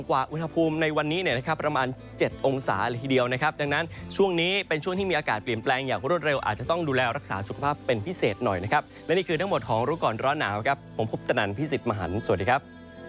กว่าอุณหภูมิในวันนี้เนี่ยนะครับประมาณ๗องศาเลยทีเดียวนะครับดังนั้นช่วงนี้เป็นช่วงที่มีอากาศเปลี่ยนแปลงอย่างรวดเร็วอาจจะต้องดูแลรักษาสุขภาพเป็นพิเศษหน่อยนะครับและนี่คือทั้งหมดของรู้ก่อนร้อนหนาวครับผมพบตนันพี่สิทธิ์มหันฯสวัสดีครับ